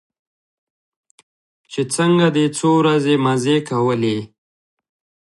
چې څنگه دې څو ورځې مزې کولې.